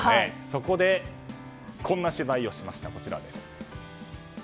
そこで、こんな取材をしました。